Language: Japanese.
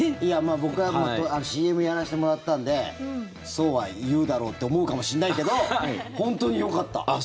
僕がＣＭやらせてもらったんでそうは言うだろうって思うかもしれないけど本当によかった。